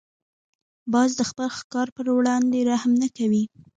باز د خپل ښکار پر وړاندې رحم نه کوي